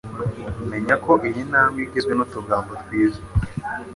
Menyako iyintambwe igizwe n'utugambo twiza